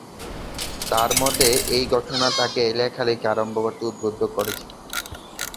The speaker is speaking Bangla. তার মতে, এই ঘটনা তাকে লেখালেখি আরম্ভ করতে উদ্বুদ্ধ করেছে।